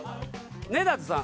根建さん。